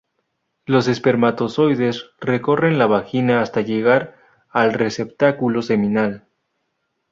Los espermatozoides recorren la vagina hasta llegar al receptáculo seminal.